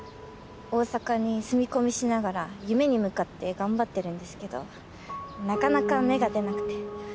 大阪に住み込みしながら夢に向かって頑張ってるんですけどなかなか芽が出なくて。